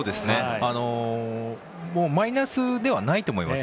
マイナスではないと思います。